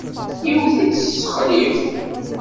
Yewwet-itt s texlift.